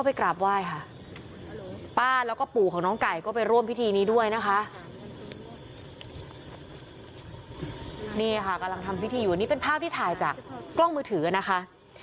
นี่ค่ะกำลังทำพิธีอยู่นี่เป็นภาพที่ถ่ายจากกล้องมือถือนะคะ